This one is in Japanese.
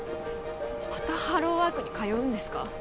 またハローワークに通うんですか？